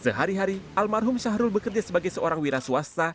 sehari hari almarhum syahrul bekerja sebagai seorang wira swasta